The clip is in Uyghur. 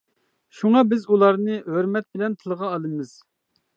شۇڭا بىز ئۇلارنى ھۆرمەت بىلەن تىلغا ئالىمىز.